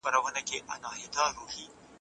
نوي اقتصاد د ګټي لرونکې پانګي مفهوم رامنځته کړ.